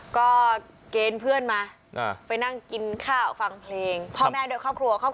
ก็เกณฑ์เพื่อนมาไปนั่งกินข้าวฟังเพลงพ่อแม่โดยครอบครัวครอบครัว